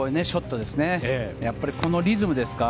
このリズムですか。